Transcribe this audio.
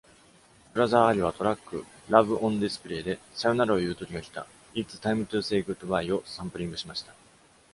ブラザー・アリは、トラック『ラブ・オン・ディスプレイ』で「さよならを言う時がきた (It's Time to Say Goodbye)」をサンプリングしました。